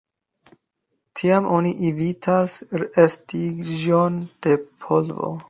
Tiam oni evitas estiĝon de polvo.